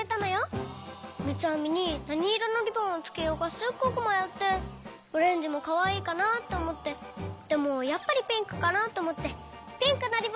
みつあみになにいろのリボンをつけようかすっごくまよってオレンジもかわいいかなっておもってでもやっぱりピンクかなっておもってピンクのリボンをつけました。